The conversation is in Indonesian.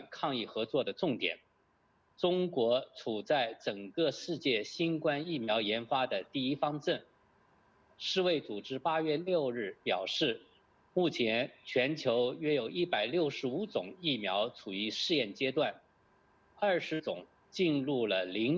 khawatir kebb modul